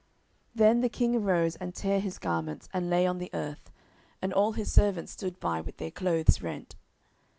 10:013:031 Then the king arose, and tare his garments, and lay on the earth; and all his servants stood by with their clothes rent.